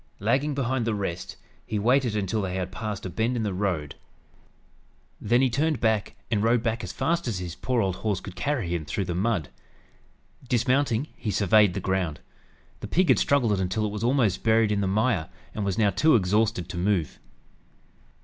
Lagging behind the rest, he waited until they had passed a bend in the road. Then he turned and rode back as fast as his poor old horse could carry him through the mud. Dismounting, he surveyed the ground. The pig had struggled until it was almost buried in the mire, and was now too exhausted to move.